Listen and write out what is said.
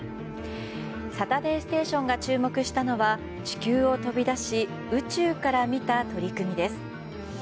「サタデーステーション」が注目したのは地球を飛び出し宇宙から見た取り組みです。